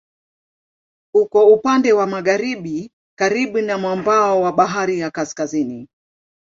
Uko upande wa magharibi karibu na mwambao wa Bahari ya Kaskazini.